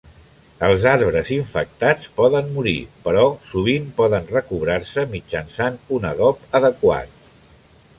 Els arbres infectats poden morir, però sovint poden recobrar-se mitjançant un adob adequat.